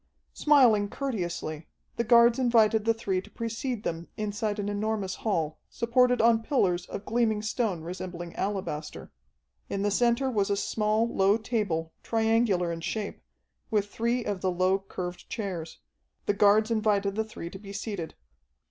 Smiling courteously, the guards invited the three to precede them inside an enormous hall, supported on pillars of gleaming stone resembling alabaster. In the center was a small, low table, triangular in shape, with three of the low, curved chairs. The guards invited the three to be seated.